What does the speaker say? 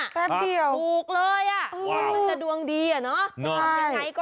แป๊บเดียวถูกเลยมันจะดวงดีน่ะใช่ไหม